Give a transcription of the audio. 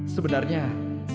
sebenarnya siapa aku